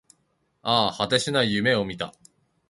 ああ、果てしない夢を見た